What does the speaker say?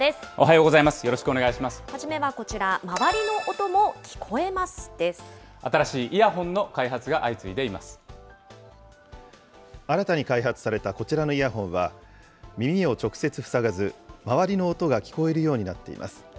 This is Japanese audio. よろし初めはこちら、周りの音も聞新しいイヤホンの開発が相次新たに開発されたこちらのイヤホンは、耳を直接塞がず、周りの音が聞こえるようになっています。